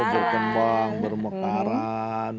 oh berkembang bermekaran